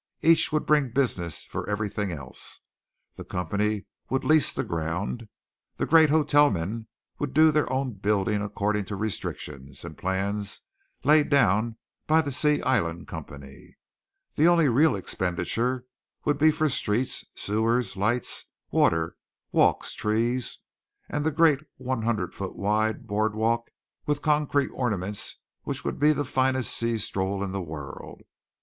Each would bring business for everything else. The company would lease the ground. The great hotel men would do their own building according to restrictions and plans laid down by the Sea Island Company. The only real expenditure would be for streets, sewers, lights, water, walks, trees, and the great one hundred foot wide boardwalk with concrete ornaments which would be the finest sea stroll in the world.